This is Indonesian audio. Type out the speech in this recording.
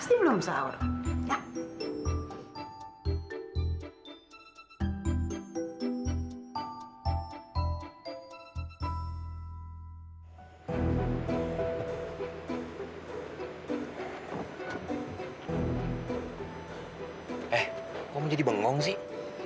eh kau menjadi bengong sih